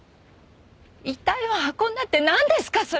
遺体を運んだってなんですか？